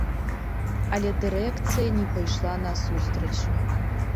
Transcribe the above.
Але дырэкцыя не пайшла насустрач.